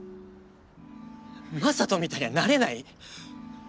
雅人みたいにはなれない。